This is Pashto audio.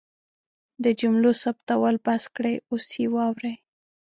د جملو ثبتول بس کړئ اوس یې واورئ